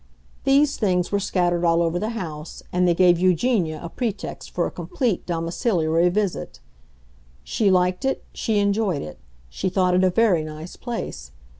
These things were scattered all over the house, and they gave Eugenia a pretext for a complete domiciliary visit. She liked it, she enjoyed it; she thought it a very nice place.